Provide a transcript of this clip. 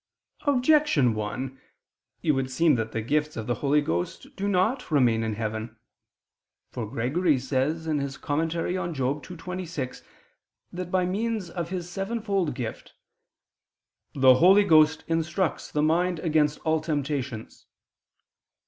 Objection 1: It would seem that the gifts of the Holy Ghost do not remain in heaven. For Gregory says (Moral. ii, 26) that by means of His sevenfold gift the "Holy Ghost instructs the mind against all temptations."